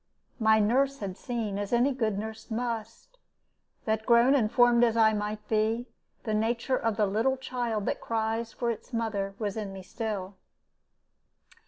My nurse had seen, as any good nurse must, that, grown and formed as I might be, the nature of the little child that cries for its mother was in me still.